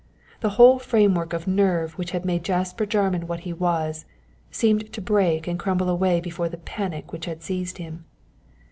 The whole framework of nerve which had made Jasper Jarman what he was, seemed to break and crumble away before the panic which had seized him.